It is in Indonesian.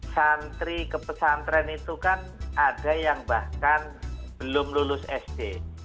santri ke pesantren itu kan ada yang bahkan belum lulus sd